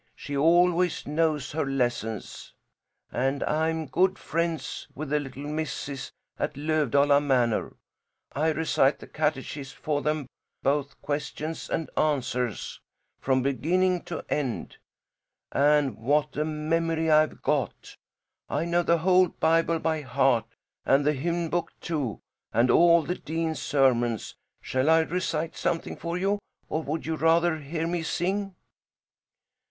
'She always knows her lessons.' And I'm good friends with the little misses at Lövdala Manor. I recite the catechism for them both questions and answers from beginning to end. And what a memory I've got! I know the whole Bible by heart and the hymn book, too, and all the dean's sermons. Shall I recite something for you, or would you rather hear me sing?"